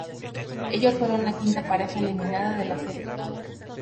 Ellos fueron la quinta pareja eliminada de la serie.